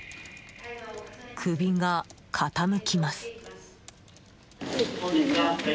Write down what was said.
首が傾きます。